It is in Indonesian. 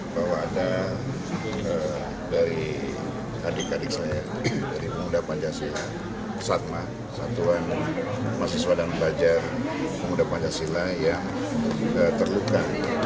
pemuda pancasila yang terluka